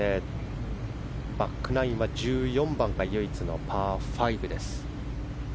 バックナインは１４番が唯一のパー５。